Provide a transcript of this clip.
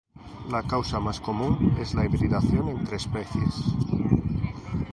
La causa más común es la hibridación entre especies.